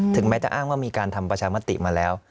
แม้จะอ้างว่ามีการทำประชามติมาแล้ว